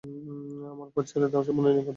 আমার পথ ছেড়ে দাও সম্পূর্ণ নিরাপদ থাকবে।